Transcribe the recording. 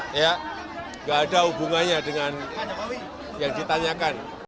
tidak ada hubungannya dengan yang ditanyakan